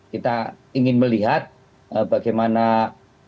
kita ingin melihat bagaimana perkembangan